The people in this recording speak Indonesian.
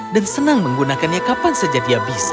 dan senang menggunakannya kapan saja dia bisa